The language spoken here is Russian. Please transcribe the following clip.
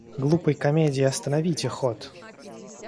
Глупой комедии остановите ход!